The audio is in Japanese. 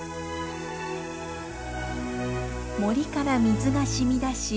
森から水がしみ出し